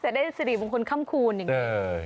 ได้สิริมงคลค่ำคูณอย่างนี้